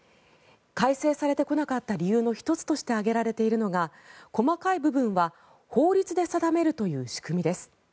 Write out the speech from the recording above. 改正されてこなかった理由の１つとして挙げられているのは細かい部分は法律で定めるという仕組みです。